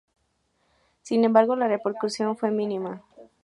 Sin embargo, la repercusión fue mínima.